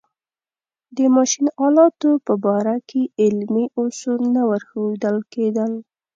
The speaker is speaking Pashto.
د ماشین آلاتو په باره کې علمي اصول نه ورښودل کېدل.